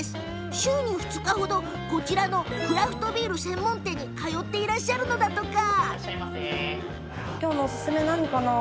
週に２日程こちらのクラフトビール専門店に通っていらっしゃるんだとか。